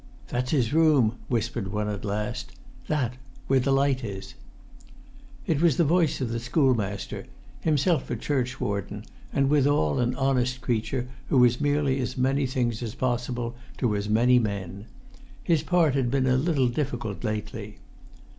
[Pg 36]"That's his room," whispered one at last; "that—where the light is!" It was the voice of the schoolmaster, himself a churchwarden, and withal an honest creature who was merely as many things as possible to as many men. His part had been a little difficult lately.